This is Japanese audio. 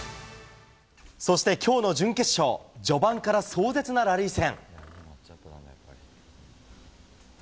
そしてきょうの準決勝、序盤から壮絶なラリー戦。